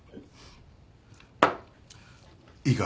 いいか？